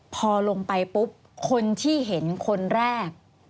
พอลงไปปุ๊บคนที่เห็นคนแรก